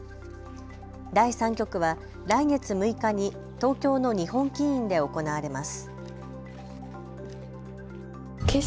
第３局は来月６日に東京の日本棋院で行われます。